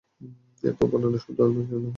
এরূপ বর্ণনা শুদ্ধ বলে বিবেচিত হয় না।